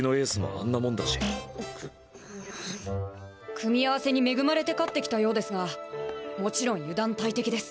組み合わせに恵まれて勝ってきたようですがもちろん油断大敵です。